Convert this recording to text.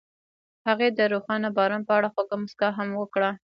هغې د روښانه باران په اړه خوږه موسکا هم وکړه.